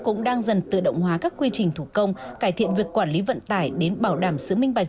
cũng đang dần tự động hóa các quy trình thủ công cải thiện việc quản lý vận tải đến bảo đảm sự minh bạch